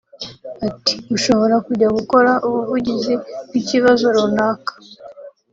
Ati ‘‘Ushobora kujya gukora ubuvugizi bw’ikibazo runaka